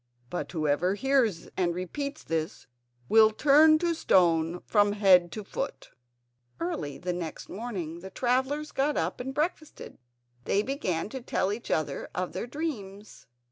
But whoever hears and repeats this will turn to stone from head to foot." Early next morning the travellers got up and breakfasted. They began to tell each other their dreams.